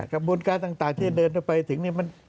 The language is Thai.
กระบวนการต่างที่จะเดินไปถึงนี่มัน